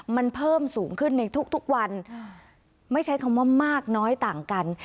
มันเพิ่มสูงขึ้นในทุกวันไม่ใช้คำว่ามากน้อยต่างกัน